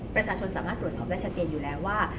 ประชาชนสามารถตรวจสอบได้ชัดเจนอยู่แล้วว่า